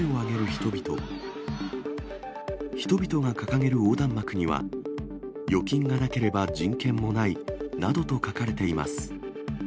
人々が掲げる横断幕には、預金がなければ人権もないなどと書かれています。